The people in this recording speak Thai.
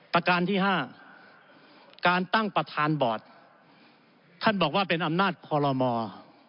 ประการที่๕การตั้งประธานบอร์ดท่านบอกว่าเป็นอำนาจคอลโลมอร์